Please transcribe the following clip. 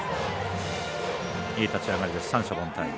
いい立ち上がりで三者凡退。